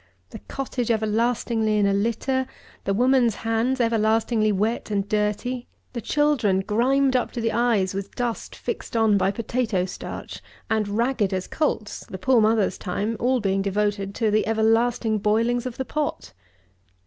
The cottage everlastingly in a litter; the woman's hands everlastingly wet and dirty; the children grimed up to the eyes with dust fixed on by potato starch; and ragged as colts, the poor mother's time all being devoted to the everlasting boilings of the pot!